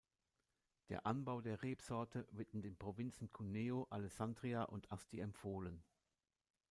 Der Anbau der Rebsorte wird in den Provinzen Cuneo, Alessandria und Asti empfohlen.